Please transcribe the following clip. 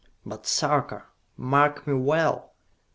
But, Sarka, mark me well!